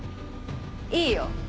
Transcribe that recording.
いいよ